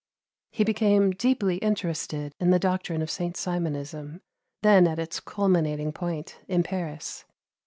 He became deeply interested in the doctrine of St. Simonism, then at its culminating point in Paris.